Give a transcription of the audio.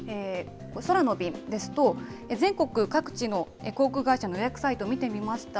空の便ですと、全国各地の航空会社の予約サイト見てみました。